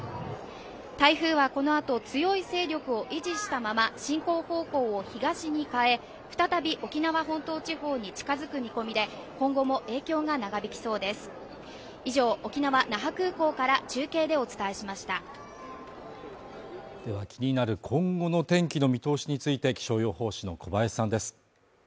台風はこのあと強い勢力を維持したまま進行方向を東に変え再び沖縄本島地方に近づく見込みで今後も影響が長引きそうですでは気になる今後の天気の見通しについて気象予報士の小林さんです